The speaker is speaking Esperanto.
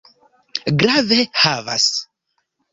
Grave havas.